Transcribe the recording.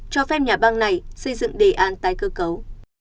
cho phép nhà bang này xây dựng đề an tái cơ cấu